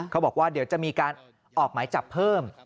บอกว่าเดี๋ยวจะมีการออกหมายจับเพิ่ม